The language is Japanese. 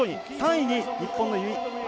３位に日本の由井。